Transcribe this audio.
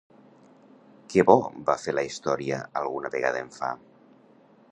Què bo va fer la història alguna vegada em fa?